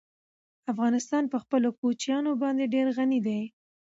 افغانستان په خپلو کوچیانو باندې ډېر غني دی.